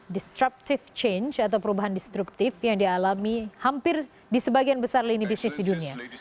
destructive change atau perubahan destruktif yang dialami hampir di sebagian besar lini bisnis di dunia